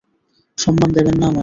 সম্মান দেবেন না আমায়।